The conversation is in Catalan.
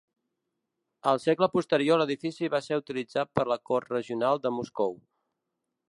Al segle posterior l'edifici va ser utilitzat per la Cort Regional de Moscou.